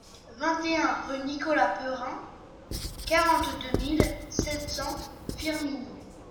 vingt et un rue Nicolas Perrin, quarante-deux mille sept cents Firminy